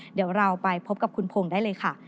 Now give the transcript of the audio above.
เดี๋ยวเราไปพบกับคุณพงศ์ได้เลยค่ะ